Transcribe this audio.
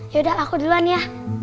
yaudah aku duluan ya